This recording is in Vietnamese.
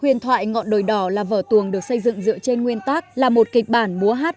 huyền thoại ngọn đồi đỏ là vở tuồng được xây dựng dựa trên nguyên tác là một kịch bản múa hát